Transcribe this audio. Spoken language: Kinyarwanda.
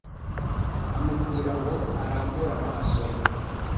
amubwira ngo narambure amaso ye